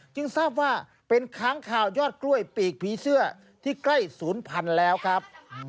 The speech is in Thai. ทราบว่าเป็นค้างข่าวยอดกล้วยปีกผีเสื้อที่ใกล้ศูนย์พันธุ์แล้วครับ